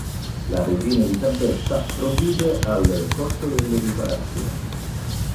La Regina Elisabetta provvide al costo delle riparazioni.